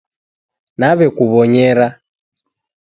Nawekuwonyera